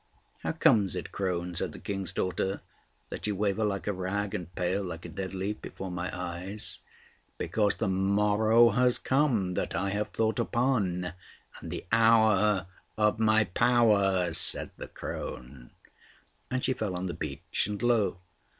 "How comes it, crone," said the King's daughter, "that you waver like a rag, and pale like a dead leaf before my eyes?" "Because the morrow has come that I have thought upon, and the hour of my power," said the crone; and she fell on the beach, and, lo!